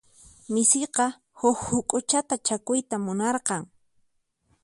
Misiqa huk huk'uchata chakuyta munarqan.